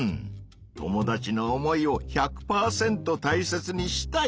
友達の思いを１００％たいせつにしたい。